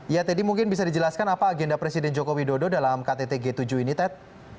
ya teddy mungkin bisa dijelaskan apa agenda presiden jokowi dodo dalam ktt g tujuh ini ted